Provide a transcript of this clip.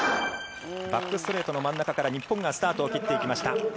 バックストレートの真ん中から日本がスタートを切っていきました。